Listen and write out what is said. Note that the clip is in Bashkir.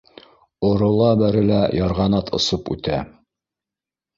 Орола-бәрелә ярғанат осоп үтә